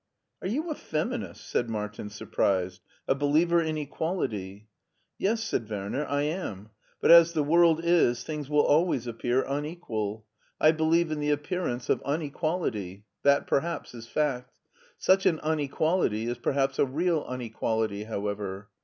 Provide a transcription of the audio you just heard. " Are you a feminist ?" said Martin surprised. *' A believer in equality? "" Yes," said Werner, " I am ; but, as the world is, things will always appear unequal. I believe in the €i it it HEIDELBERG 6i appearance of unequality. That perhaps is fact. Such an unequality is perhaps a real unequality, however.